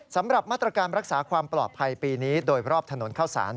สำหรับมาตรการรักษาความปลอดภัยปีนี้โดยรอบถนนเข้าสาร